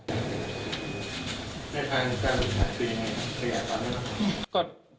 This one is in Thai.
ในทางการบริหารเตรียมรองรับไว้ทุกอย่างล่ะครับ